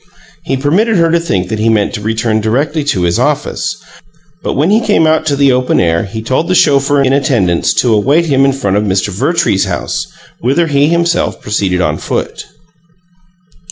He permitted her to think that he meant to return directly to his office, but when he came out to the open air he told the chauffeur in attendance to await him in front of Mr. Vertrees's house, whither he himself proceeded on foot.